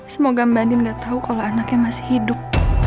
semoga mbak andin gak tau kalo anaknya masih hidup